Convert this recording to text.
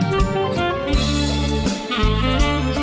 ไม่เคย